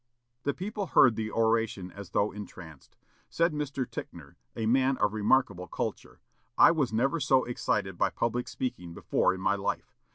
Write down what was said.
The people heard the oration as though entranced. Said Mr. Ticknor, a man of remarkable culture, "I was never so excited by public speaking before in my life.